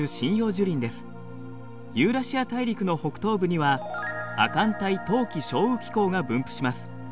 ユーラシア大陸の北東部には亜寒帯冬季少雨気候が分布します。